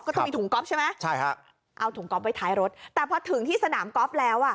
ต้องมีถุงก๊อฟใช่ไหมใช่ฮะเอาถุงก๊อฟไว้ท้ายรถแต่พอถึงที่สนามกอล์ฟแล้วอ่ะ